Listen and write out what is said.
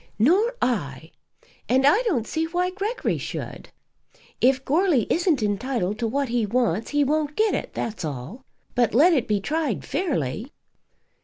"Nor I; and I don't see why Gregory should. If Goarly isn't entitled to what he wants he won't get it; that's all. But let it be tried fairly."